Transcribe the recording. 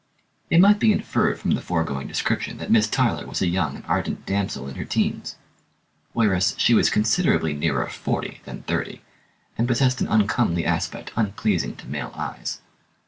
It might be inferred from the foregoing description that Miss Tyler was a young and ardent damsel in her teens; whereas she was considerably nearer forty than thirty, and possessed an uncomely aspect unpleasing to male eyes.